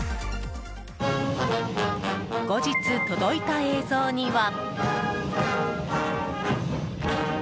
後日、届いた映像には。